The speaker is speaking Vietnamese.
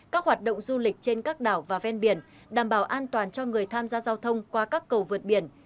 các hoạt động du lịch trên các đảo và ven biển đảm bảo an toàn cho người tham gia giao thông qua các cầu vượt biển